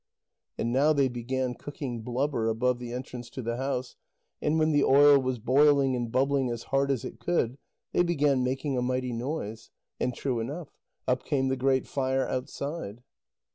And now they began cooking blubber above the entrance to the house, and when the oil was boiling and bubbling as hard as it could, they began making a mighty noise. And true enough, up came the Great Fire outside.